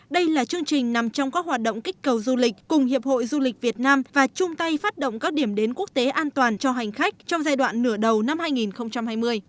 đây là chương trình nằm trong các hoạt động kích cầu du lịch cùng hiệp hội du lịch việt nam và chung tay phát động các điểm đến quốc tế an toàn cho hành khách trong giai đoạn nửa đầu năm hai nghìn hai mươi